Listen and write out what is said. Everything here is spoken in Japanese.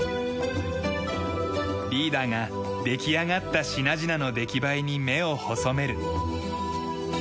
リーダーが出来上がった品々の出来栄えに目を細める。